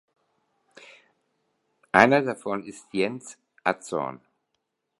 Einer davon ist Jens Atzorn.